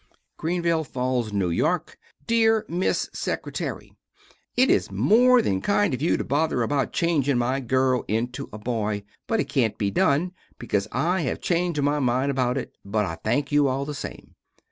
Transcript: Greenville Falls, N.Y. Deer Miss Secretary, It is more than kind of you to bother about changing my girl into a boy, but it cant be done because I have changed my mind about it, but I thank you all the same.